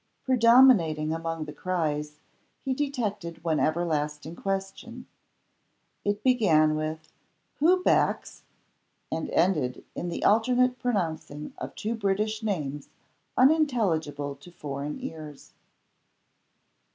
Predominating among the cries, he detected one everlasting question. It began with, "Who backs ?" and it ended in the alternate pronouncing of two British names unintelligible to foreign ears.